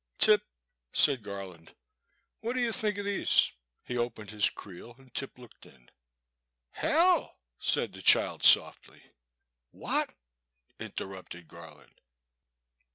'* Tip," said Garland, '' what do you think of these ?" he opened his creel and Tip looked in. " Hell !" said the child softly. ''What !" interrupted Garland.